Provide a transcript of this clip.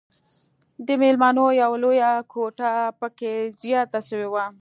د ميلمنو يوه لويه کوټه پکښې زياته سوې وه.